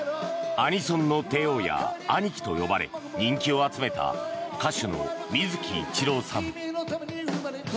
アニソンの帝王やアニキと呼ばれ人気を集めた歌手の水木一郎さん。